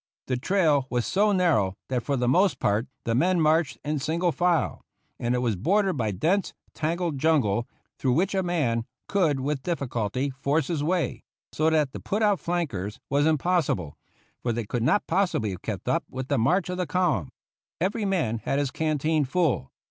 The trail was so narrow that for the most part the men marched in single file, and it was bordered by dense, tangled jungle, through which a man could with difficulty force his way; so that to put out flankers was impossible, for they could not possibly have kept up with the march of the column. Every man had his canteen full.